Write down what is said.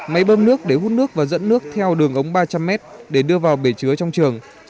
máy bơm nước để hút nước và dẫn nước theo đường ống ba trăm linh m để đưa vào bể chứa trong trường